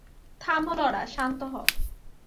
থামো লরা, শান্ত হও।